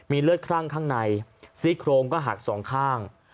เลือดคลั่งข้างในซี่โครงก็หักสองข้าง